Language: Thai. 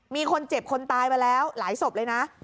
มีคนเจ็บคนตายมาแล้วหลายศพเลยนะ